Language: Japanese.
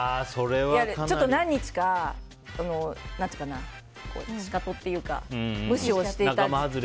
ちょっと何日かシカトっていうか無視をしていたんです。